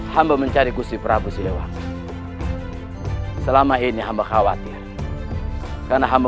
hamba mencari kursi prabu siliwan selama ini hamba khawatir karena hamba